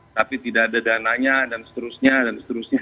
tapi tidak ada dananya dan seterusnya dan seterusnya